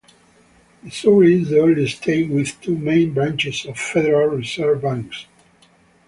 Missouri is the only state with two main branches of Federal Reserve Banks.